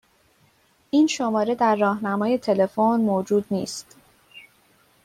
این شماره در راهنمای تلفن موجود نیست.